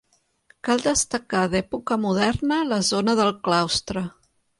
Cal destacar d'època moderna la zona del claustre.